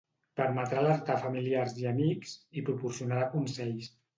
Permetrà alertar familiars i amics, i proporcionarà consells.